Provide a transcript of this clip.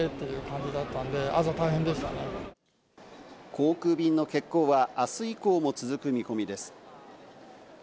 航空便の欠航はあす以降も続く見込みです。